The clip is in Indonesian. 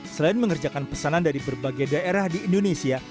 selain mengerjakan pesanan dari berbagai daerah di indonesia